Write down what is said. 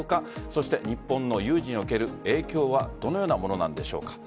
そして日本の有事における影響はどのようなものなのでしょうか。